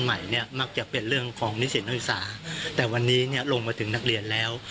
ใหม่เนี่ยมักจะเป็นเรื่องของนิสิตนักศึกษาแต่วันนี้เนี่ยลงมาถึงนักเรียนแล้ว